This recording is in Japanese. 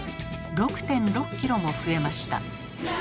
６．６ｋｇも増えました。